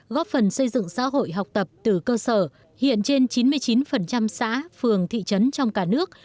góp phần xây dựng xã hội học tập từ cơ sở hiện trên chín mươi chín xã phường thị trấn trong cả nước